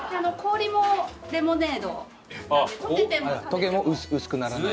溶けても薄くならない。